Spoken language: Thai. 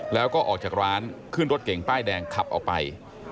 แล้วก็ออกจากร้านขึ้นรถเก่งป้ายแดงขับออกไป